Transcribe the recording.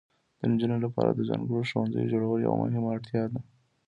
د نجونو لپاره د ځانګړو ښوونځیو جوړول یوه مهمه اړتیا ده.